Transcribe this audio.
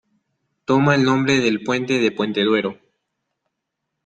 Toma el nombre del Puente de Puente Duero.